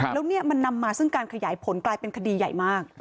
แล้วนี่มันนำมาซึ่งการขยายผลกลายเป็นคดีใหญ่มาก